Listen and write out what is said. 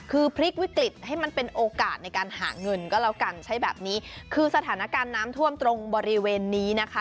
คือพลิกวิกฤตให้มันเป็นโอกาสในการหาเงินก็แล้วกันใช้แบบนี้คือสถานการณ์น้ำท่วมตรงบริเวณนี้นะคะ